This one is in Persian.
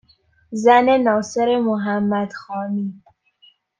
زن ناصر محمدخانی